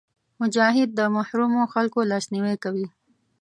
مجاهد د محرومو خلکو لاسنیوی کوي.